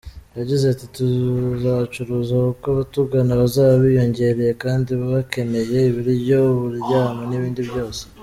Yagize ati“Tuzacuruza kuko abatugana bazaba biyongereye kandi bakeneye ibiryo, uburyamo n’ibindi byose.